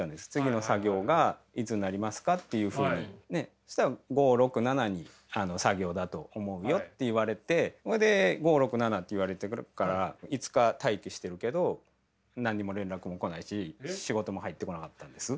そしたら「５、６、７に作業だと思うよ」って言われてそれで５、６、７って言われてるから５日待機してるけど何にも連絡も来ないし仕事も入ってこなかったんです。